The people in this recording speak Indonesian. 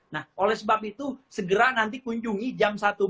nah oleh sebab itu segera nanti kunjungi jam dua belas ya